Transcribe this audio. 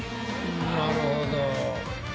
なるほど。